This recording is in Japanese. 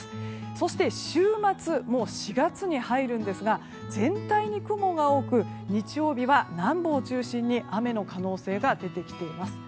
そして、週末もう４月に入るんですが全体に雲が多く日曜日は南部を中心に雨の可能性が出てきています。